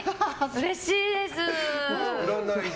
うれしいです。